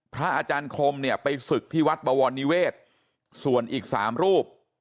พระอาจารย์คมเนี่ยไปศึกที่วัดบวรนิเวศส่วนอีกสามรูป